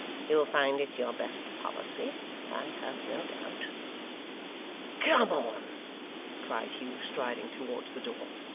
You'll find it your best policy, I have no doubt.' 'Come on!' cried Hugh, striding towards the door.